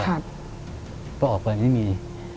ก็ออกไปไม่มี